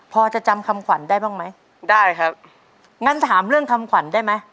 พอจะจำคำขวัญได้บ้างไหมได้ครับงั้นถามเรื่องคำขวัญได้ไหม